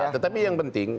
tetapi yang penting